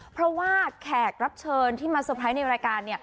เพราะว่าแขกรับเชิญที่มาเตอร์ไพรส์ในรายการ